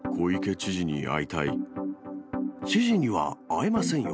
知事には会えませんよ。